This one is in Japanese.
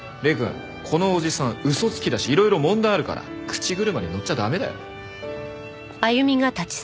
このおじさん嘘つきだしいろいろ問題あるから口車にのっちゃ駄目だよ。